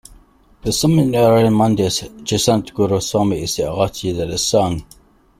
In Swaminarayan Mandirs, Jay Sadguru Swami is the aarti that is sung.